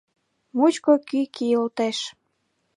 Мучко кӱ кийылтеш.